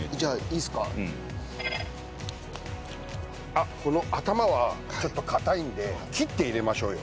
あっこの頭はちょっと硬いんで切って入れましょうよ。